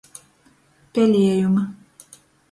Peliejumi.